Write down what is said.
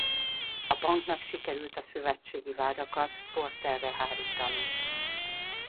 A banknak sikerült a szövetségi vádakat Porterre hárítani.